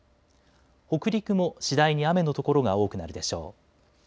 北陸も次第に雨の所が多くなるでしょう。